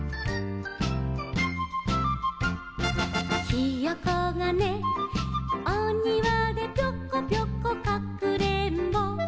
「ひよこがねお庭でぴょこぴょこかくれんぼ」